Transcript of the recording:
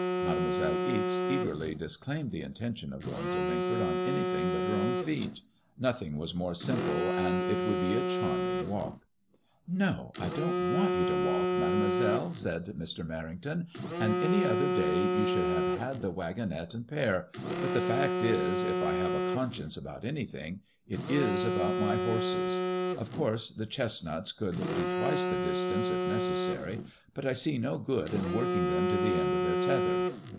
Mademoiselle Ixe eagerly dis claimed the intention of going to Lingford on anything but her own feet. Nothing was more simple, and it would be a charm ing walk. '' No, I don't want you to walk, Mademoiselle," said Mr. Mer rington, '' and any other day you MADEMOISELLE IXE. I09 should have had the waggonette and pair, but the fact is, if I have a conscience about any thingy it is about my horses. Of course the chesnuts could do twice the distance if neces sary, but I see no good in working them to the end of their tether.